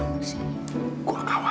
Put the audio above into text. aku tidak mengingat dan